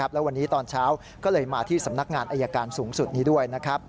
แล้ววันนี้ตอนเช้าก็เลยมาที่สำนักงานอายการสูงสุดนี้ด้วย